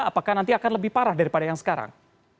apakah nanti akan lebih parah daripada yang sekarang